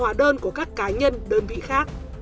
hóa đơn của các cá nhân đơn vị khác